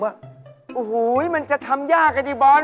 โอ้โหมันจะทำยากอดิบอส